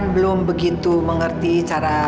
belum begitu mengerti cara